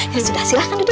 ya sudah silahkan duduk